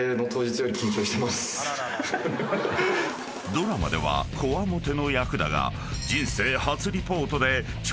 ［ドラマではこわもての役だが］